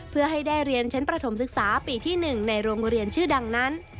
เพื่อให้ได้เรียนชั้นประถมศึกษาปีที่๑ในโรงเรียนชื่อดังนั้น